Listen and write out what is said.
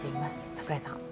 櫻井さん。